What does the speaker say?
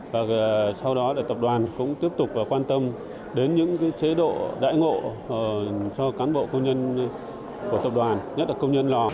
và sau đó tập đoàn cũng tiếp tục quan tâm đến những chế độ đại ngộ cho cán bộ công nhân của tập đoàn nhất là công nhân lò